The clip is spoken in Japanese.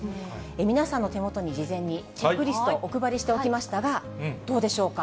皆さんの手元に事前にチェックリスト、お配りしておきましたが、どうでしょうか。